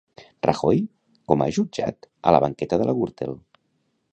Rajoy, com a jutjat, a la banqueta de la Gürtel.